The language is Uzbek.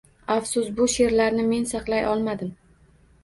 Afsus, bu she’rlarni men saqlay olmadim.